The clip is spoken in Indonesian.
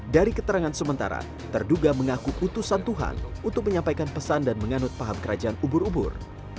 dari keterangan sementara terduga mengaku putusan tuhan untuk menyampaikan pesan dan menganut paham kerajaan ubur ubur